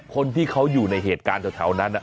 คนที่เขาอยู่ในเหตุการณ์แถวนั้น